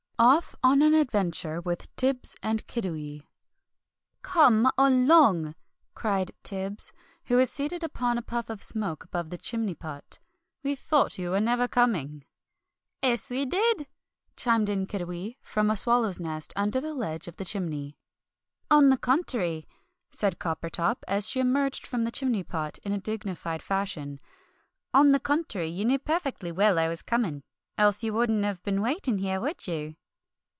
OFF ON AN ADVENTURE WITH TIBBS AND KIDDIWEE "Come along!" cried Tibbs, who was seated upon a puff of smoke above the chimney pot, "we thought you were never coming." "'Es we did!" chimed in Kiddiwee, from a swallow's nest under the ledge of the chimney. "On the contery," said Coppertop, as she emerged from the chimney pot in a dignified fashion, "on the contery, you knew perfectly well I was coming, else you wouldn't have been waiting here, would you?"